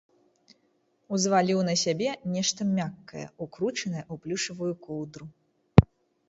Узваліў на сябе нешта мяккае, укручанае ў плюшавую коўдру.